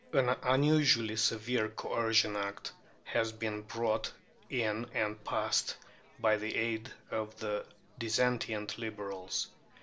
An unusually severe Coercion Act has been brought in and passed by the aid of the dissentient Liberals.